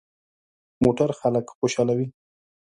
موټر خلک خوشحالوي.